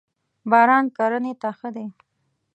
باران کرنی ته ښه دی.